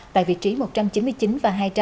tại vị trí một trăm chín mươi chín và hai trăm linh